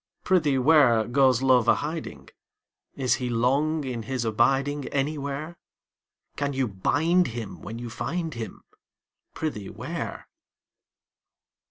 Prithee where, Goes Love a hiding? Is he long in his abiding Anywhere? Can you bind him when you find him; Prithee, where?